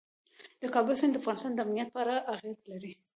د کابل سیند د افغانستان د امنیت په اړه اغېز لري.